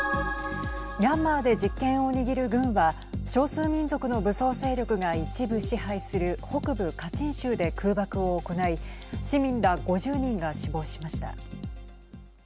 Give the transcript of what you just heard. ミャンマーで実権を握る軍は少数民族の武装勢力が一部支配する北部カチン州で空爆を行い市民ら５０人が死亡しました。